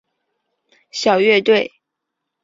小乐队。